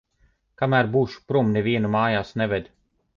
Kamēr būšu prom, nevienu mājās neved.